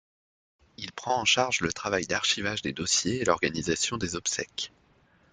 Il prend en charge le travail d'archivage des dossiers et l'organisation des obsèques.